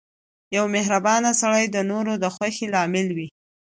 • یو مهربان سړی د نورو د خوښۍ لامل وي.